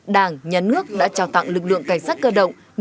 đảng nhà nước đã trao tặng lực lượng cảnh sát cơ động